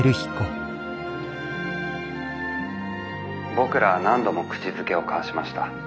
「僕らは何度も口づけを交わしました。